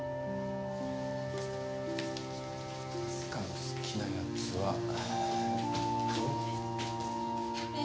明日香の好きなやつはえっと。